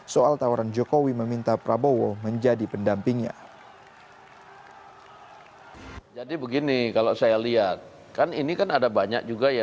soal tawaran jokowi meminta prabowo menjadi pendampingnya